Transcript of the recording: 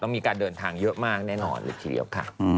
มีการเดินทางเยอะมากแน่นอนเลยทีเดียวค่ะ